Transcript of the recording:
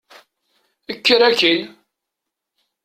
Kker akin!